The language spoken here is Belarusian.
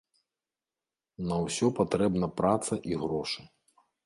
На ўсё патрэбна праца і грошы.